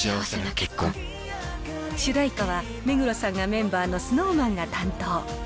主題歌は、目黒さんがメンバーのＳｎｏｗＭａｎが担当。